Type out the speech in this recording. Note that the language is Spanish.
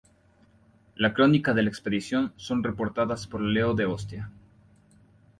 La crónica de la expedición son reportadas por Leo de Ostia.